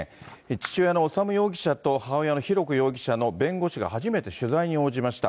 父親の修容疑者と母親の浩子容疑者の弁護士が初めて取材に応じました。